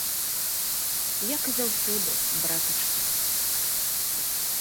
Як і заўсёды, братачка.